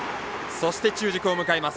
そして、中軸を迎えます。